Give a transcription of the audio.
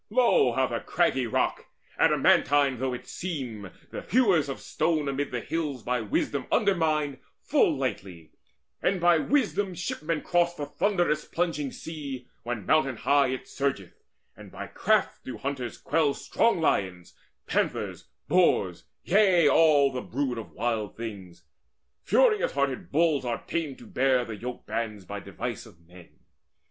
Lo, how the craggy rock, Adamantine though it seem, the hewers of stone Amid the hills by wisdom undermine Full lightly, and by wisdom shipmen cross The thunderous plunging sea, when mountain high It surgeth, and by craft do hunters quell Strong lions, panthers, boars, yea, all the brood Of wild things. Furious hearted bulls are tamed To bear the yoke bands by device of men.